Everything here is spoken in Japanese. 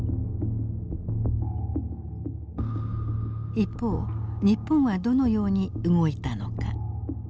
一方日本はどのように動いたのか。